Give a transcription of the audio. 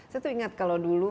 saya tuh ingat kalau dulu